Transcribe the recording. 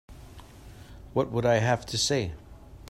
What would I have to say?